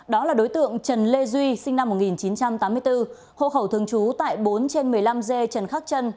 đó là đối tượng trần lê duy sinh năm một nghìn chín trăm tám mươi bốn hộ khẩu thường trú tại bốn trên một mươi năm g trần khắc trân